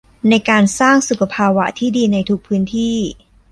ในการสร้างสุขภาวะที่ดีในทุกพื้นที่